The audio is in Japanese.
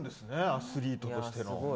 アスリートとしての。